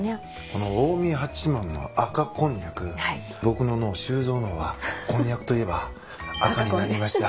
この近江八幡の赤こんにゃく僕の脳修造脳はこんにゃくといえば赤になりました。